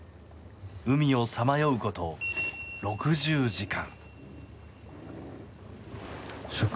海をさまようこと６０時間。